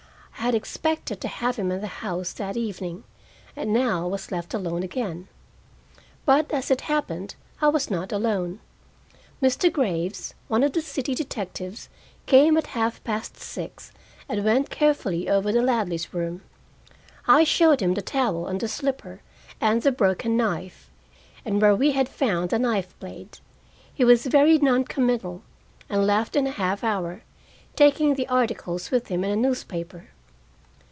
I had expected to have him in the house that evening, and now I was left alone again. But, as it happened, I was not alone. Mr. Graves, one of the city detectives, came at half past six, and went carefully over the Ladleys' room. I showed him the towel and the slipper and the broken knife, and where we had found the knife blade. He was very non committal, and left in a half hour, taking the articles with him in a newspaper.